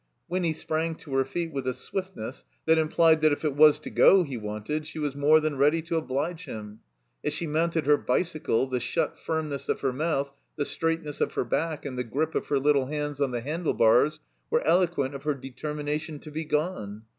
Winny sprang to her feet with a swiftness that im plied that if it was to go he wanted, she was more than ready to oblige him. As she motmted her bicycle, the shut firmness of her mouth, the straight ness of her back, and the grip of her little hands on the handle bars were eloquent of her determination to be gone.